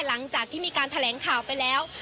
หลังจากที่มีการแถลงข่าวไปแล้ว